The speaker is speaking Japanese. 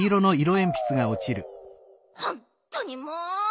ほんとにもう！